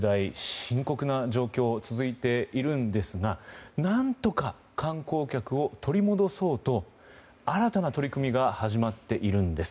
深刻な状況が続いているんですが何とか観光客を取り戻そうと、新たな取り組みが始まっているんです。